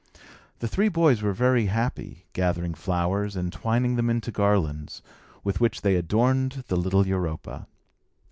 The three boys were very happy, gathering flowers, and twining them into garlands, with which they adorned the little Europa.